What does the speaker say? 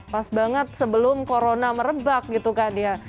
pas banget sebelum corona merebak gitu kan ya